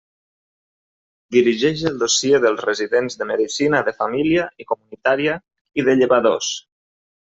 Dirigeix el dossier dels residents de medicina de família i comunitària i de llevadors.